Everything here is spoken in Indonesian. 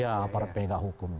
ya aparat penegakan hukum gitu